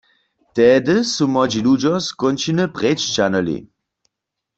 Tehdy su młodźi ludźo z kónčiny prěc ćahnyli.